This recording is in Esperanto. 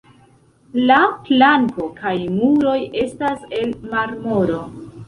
La planko kaj muroj estas el marmoro.